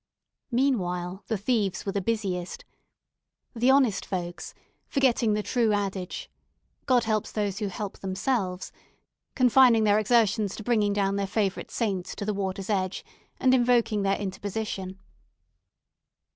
Meanwhile, the thieves were the busiest the honest folks, forgetting the true old adage, "God helps those who help themselves," confining their exertions to bringing down their favourite saints to the water's edge, and invoking their interposition.